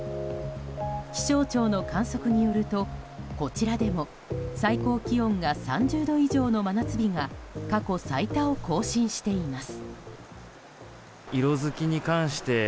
気象庁の観測によるとこちらでも最高気温が３０度以上の真夏日が過去最多を更新しています。